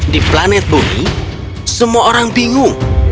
di planet bumi semua orang bingung